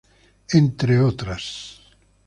Entre otras.